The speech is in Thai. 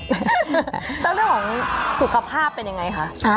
แล้วเรื่องของสุขภาพเป็นยังไงคะ